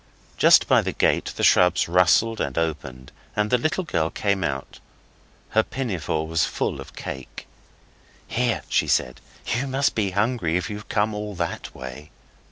Just by the gate the shrubs rustled and opened, and the little girl came out. Her pinafore was full of cake. 'Here,' she said. 'You must be hungry if you've come all that way.